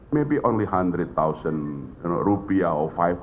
mungkin hanya seratus rupiah atau lima ratus